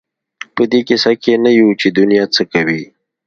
په دې کيسه کې نه یو چې دنیا څه کوي.